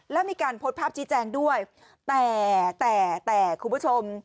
แล้วมีการโพสต์ภาพชี้แจงด้วยแต่แต่คุณผู้ชม